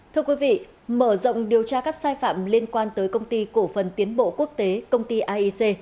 thưa quý vị mở rộng điều tra các sai phạm liên quan tới công ty cổ phần tiến bộ quốc tế công ty aic